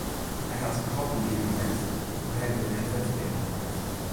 Hy hat de klok lieden heard, mar wit net wêr't de bingel hinget.